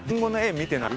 見てない。